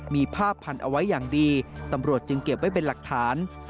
มีผ้าพันเอาไว้อย่างดีตำรวจจึงเก็บไว้เป็นหลักฐาน